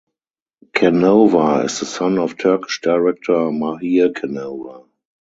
Canova is the son of Turkish director Mahir Canova.